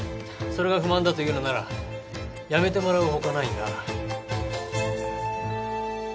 それが不満だというのなら辞めてもらう他ないな。